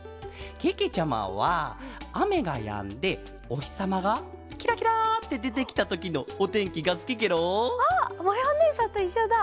けけちゃまはあめがやんでおひさまがキラキラってでてきたときのおてんきがすきケロ！あっまやおねえさんといっしょだ！